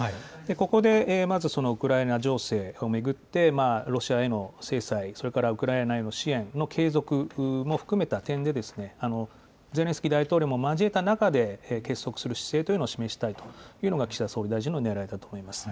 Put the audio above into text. ここでまず、ウクライナ情勢を巡って、ロシアへの制裁、それからウクライナへの支援の継続も含めた点で、ゼレンスキー大統領も交えた中で、結束する姿勢というのを示したいというのが、岸田総理大臣のねらいだと思います。